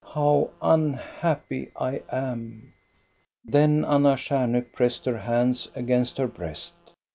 How unhappy I am !" Then Anna Stjarnhok pressed her hands against her breast.